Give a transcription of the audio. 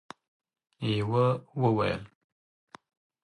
يوه وويل: